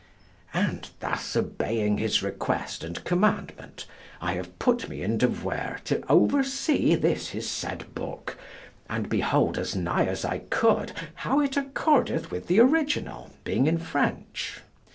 And thus obeying his request and commandment, I have put me in devoir to oversee this his said book, and behold as nigh as I could how it accordeth with the original, being in French.